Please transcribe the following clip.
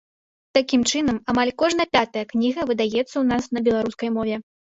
Такім чынам, амаль кожная пятая кніга выдаецца ў нас на беларускай мове.